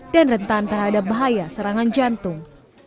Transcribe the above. dan rentan terhadap bahaya serangan jantung